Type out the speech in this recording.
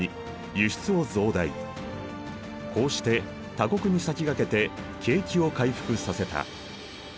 こうして他国に先駆けて景気を回復させた。